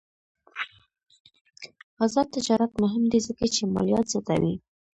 آزاد تجارت مهم دی ځکه چې مالیات زیاتوي.